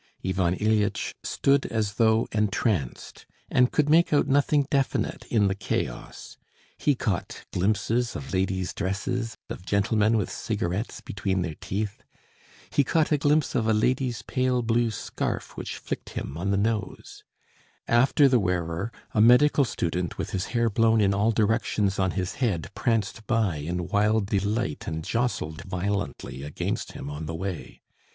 Ivan Ilyitch stood as though entranced, and could make out nothing definite in the chaos. He caught glimpses of ladies' dresses, of gentlemen with cigarettes between their teeth. He caught a glimpse of a lady's pale blue scarf which flicked him on the nose. After the wearer a medical student, with his hair blown in all directions on his head, pranced by in wild delight and jostled violently against him on the way.